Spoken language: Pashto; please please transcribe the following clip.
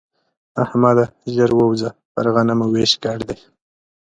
احمده! ژر ورځه پر غنمو وېش ګډ دی.